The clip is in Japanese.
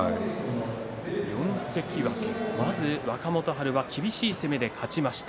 ４関脇、まず若元春が厳しい攻めで勝ちました。